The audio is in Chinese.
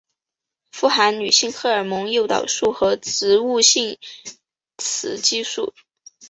富含女性荷尔蒙诱导素和植物性雌激素。